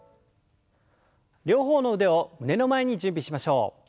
両方の腕を胸の前に準備しましょう。